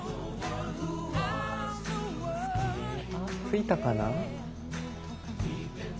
ついたかな？